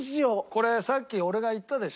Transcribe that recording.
これさっき俺が言ったでしょ？